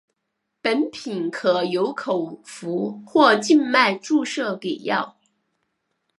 本品可由口服或静脉注射给药。